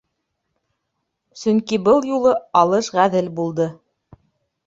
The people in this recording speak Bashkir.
Сөнки был юлы алыш ғәҙел булды.